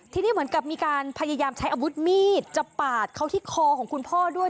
ทีนี้เหมือนกับมีการพยายามใช้อาวุธมีดจะปาดเขาที่คอของคุณพ่อด้วย